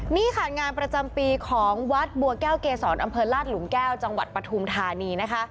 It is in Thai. นี่ค่ะงานประจำปีของวัดบัวแก้วเกษรอำเภอลาดหลุมแก้วจังหวัดปฐุมธานีนะคะ